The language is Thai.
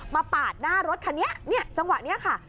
มาปาดหน้ารถคันนี้จังหวะนี้ค่ะ